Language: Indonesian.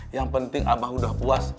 yang penting abah udah puas